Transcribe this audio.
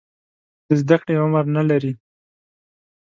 د زده کړې عمر نه لري.